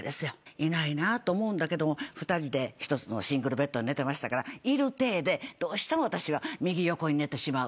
いないなと思うんだけども２人で１つのシングルベッドで寝てましたからいる体でどうしても私は右横に寝てしまう。